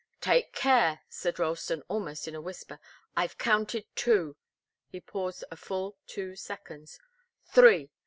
"Take care!" said Ralston, almost in a whisper. "I've counted two." He paused a full two seconds. "Three!